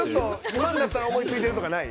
今になったら思いついてるとかない？